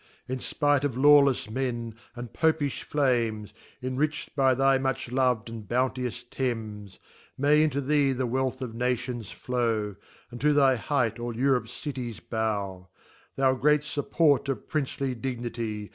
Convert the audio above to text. In fpight: of lawlefs men, and * Popifh flames, (Inrich'd by thy much to v'd and bounteous Thames) May into tfiee the Wealth of'fvfationsflow, And to thy height all Europe f Cities :bovv» Thou great fiipport of Princely Dignity